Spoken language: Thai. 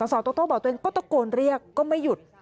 สโตโต้บอกตัวเองก็ตะโกนเรียกก็ไม่หยุด